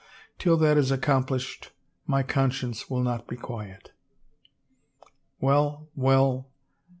Till that is accomplished my conscience will not be Quiet." "Well, well